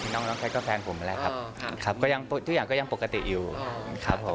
น้องแคทก็แฟนผมเลยครับเป็นทุกอย่างยังปกติอยู่ครับผม